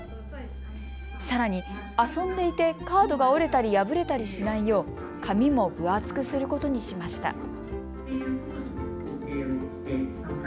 さらに遊んでいてカードが折れたり破れたりしないよう紙も分厚くすることにしました。